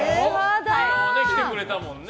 昨日も来てくれたもんね。